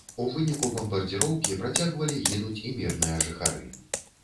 У выніку бамбардзіроўкі працягвалі гінуць і мірныя жыхары.